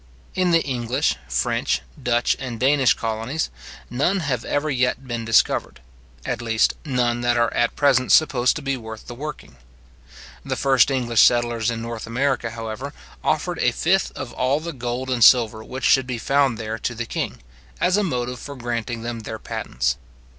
In the English, French, Dutch, and Danish colonies, none have ever yet been discovered, at least none that are at present supposed to be worth the working. The first English settlers in North America, however, offered a fifth of all the gold and silver which should be found there to the king, as a motive for granting them their patents.